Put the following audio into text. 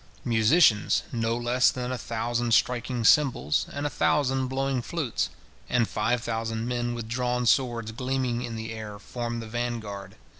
Musicians, no less than a thousand striking cymbals and a thousand blowing flutes, and five thousand men with drawn swords gleaming in the air formed the vanguard.